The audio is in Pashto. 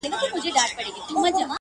راځي سبا!